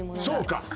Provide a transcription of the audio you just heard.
そうか。